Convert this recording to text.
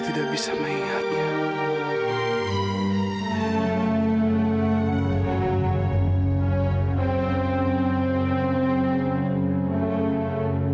tidak bisa mengingatnya